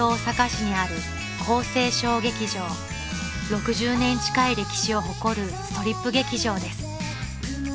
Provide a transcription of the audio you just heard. ［６０年近い歴史を誇るストリップ劇場です］